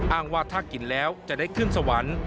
อ้างว่าถ้ากินแล้วจะได้ขึ้นสวรรค์